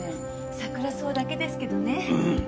サクラソウだけですけどね。